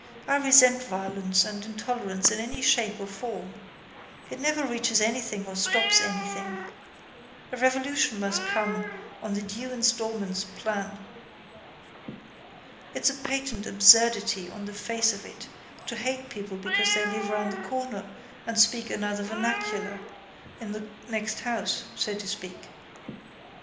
I resent violence and intolerance in any shape or form. It never reaches anything or stops anything. A revolution must come on the due instalments plan. It's a patent absurdity on the face of it to hate people because they live round the corner and speak another vernacular, in the next house so to speak.